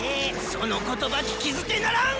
その言葉聞き捨てならん！